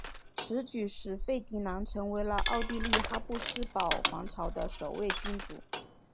此举使费迪南成为了奥地利哈布斯堡皇朝的首位君主。